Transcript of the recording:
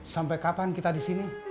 sampai kapan kita di sini